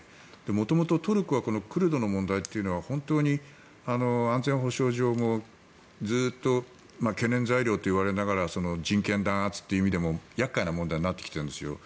元々トルコはクルドの問題というのは本当に安全保障上もずっと懸念材料といわれながら人権弾圧という意味でも厄介な問題になってきているんですよ。